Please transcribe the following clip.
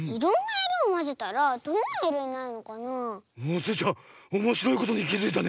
スイちゃんおもしろいことにきづいたね。